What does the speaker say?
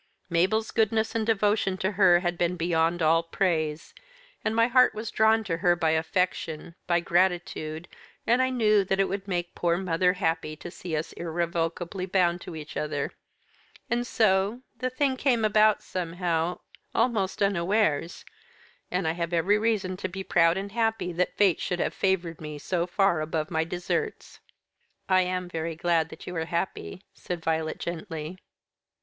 Mabel's goodness and devotion to her had been beyond all praise; and my heart was drawn to her by affection, by gratitude; and I knew that it would make poor mother happy to see us irrevocably bound to each other and so the thing came about somehow, almost unawares, and I have every reason to be proud and happy that fate should have favoured me so far above my deserts." "I am very glad that you are happy," said Violet gently.